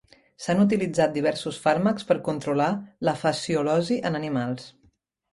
S'han utilitzat diversos fàrmacs per controlar la fasciolosi en animals.